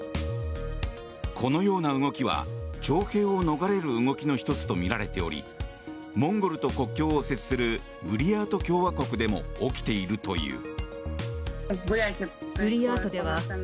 このような動きは徴兵を逃れる動きの１つとみられておりモンゴルと国境を接するブリヤート共和国でも起きているという。